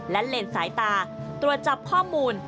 และเลนสายตาตรวจจับข้อมูล